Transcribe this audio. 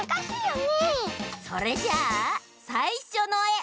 それじゃあさいしょのえ！